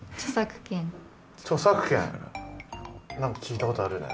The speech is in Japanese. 著作権何か聞いたことあるよね。